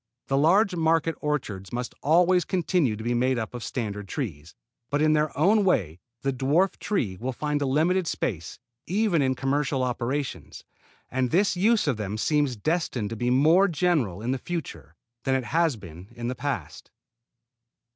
The large market orchards must always continue to be made up of standard trees; but in their own way the dwarf trees will find a limited place even in commercial operations, and this use of them seems destined to be more general in the future than it has been in the past.